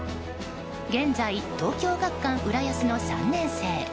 現在、東京学館浦安の３年生。